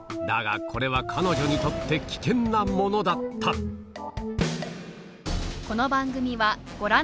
だがこれは彼女にとって危険なものだった実はあ！